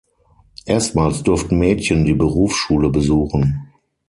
Erstmals durften Mädchen die Berufsschule besuchen.